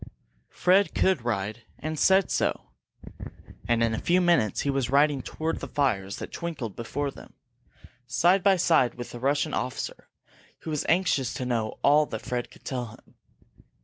Fred could ride, and said so. And in a few minutes he was riding toward the fires that twinkled before them, side by side with the Russian officer, who was anxious to know all that Fred could tell him.